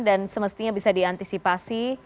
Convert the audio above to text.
dan semestinya bisa diantisipasi